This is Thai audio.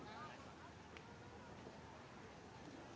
สวัสดีครับทุกคน